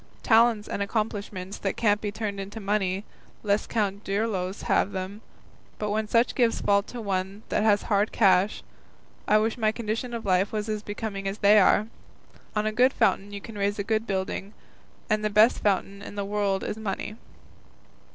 Talents and accomplishments that can't be turned into money, let Count Dirlos have them; but when such gifts fall to one that has hard cash, I wish my condition of life was as becoming as they are. On a good foundation you can raise a good building, and the best foundation in the world is money."